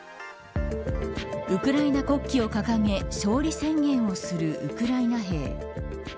ウクライナ国旗を掲げ勝利宣言をするウクライナ兵。